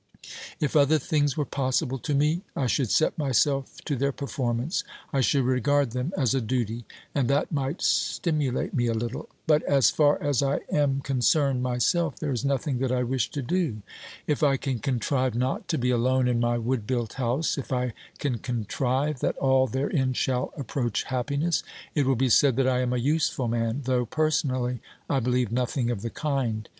If other things were possible to me, I should set myself to their performance, I should regard them as a duty, and that might stimulate me a little ; but, as far as I am con cerned myself, there is nothing that I wish to do. If I 300 OBERMANN can contrive not to be alone in my wood built house, if I can contrive that all therein shall approach happiness, it will be said that I am a useful man, though personally I believe nothing of the kind.